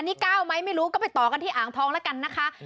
นี่๙ไหมไม่รู้ก็ไปต่อกันที่อ่างทองแล้วกันนะคะ